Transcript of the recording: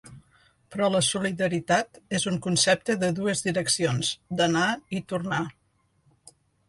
Però la solidaritat és un concepte de dues direccions, d’anar i tornar.